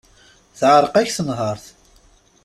Teεreq-ak tenhert.